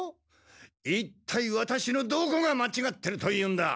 いったいワタシのどこがまちがってるというんだ？